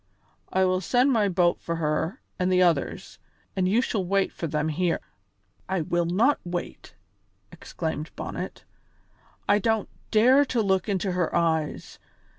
I will send my boat for her and the others, and you shall wait for them here." "I will not wait!" exclaimed Bonnet. "I don't dare to look into her eyes.